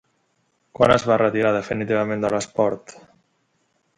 Quan es va retirar definitivament de l'esport?